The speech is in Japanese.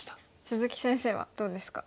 鈴木先生はどうですか？